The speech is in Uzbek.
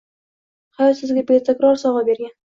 Hayot sizga betakror sovg’a bergan